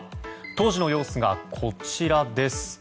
当時の様子がこちらです。